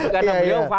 karena dia paham